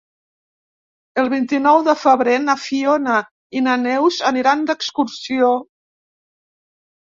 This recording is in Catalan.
El vint-i-nou de febrer na Fiona i na Neus aniran d'excursió.